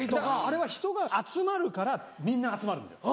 あれは人が集まるからみんな集まるんですよ。